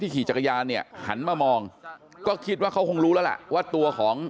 ขี่จักรยานเนี่ยหันมามองก็คิดว่าเขาคงรู้แล้วล่ะว่าตัวของ